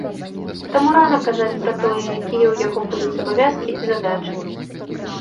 Таму рана казаць пра тое, якія ў яго будуць абавязкі і задачы.